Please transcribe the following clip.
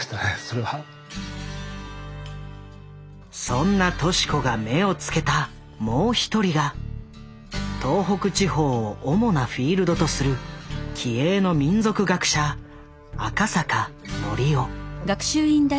そんな敏子が目を付けたもう一人が東北地方を主なフィールドとする気鋭の民俗学者赤坂憲雄。